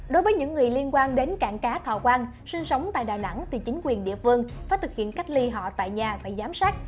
đối với những người liên quan đến cảng cá thọ quang sinh sống tại đà nẵng thì chính quyền địa phương phải thực hiện cách ly họ tại nhà và giám sát